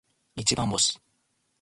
一番星